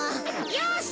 よし！